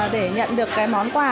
để nhận được cái món quà